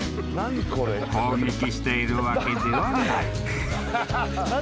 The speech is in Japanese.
［攻撃しているわけではない］